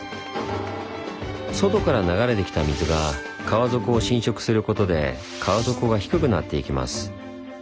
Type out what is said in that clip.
外から流れてきた水が川底を侵食することで川底が低くなっていきます。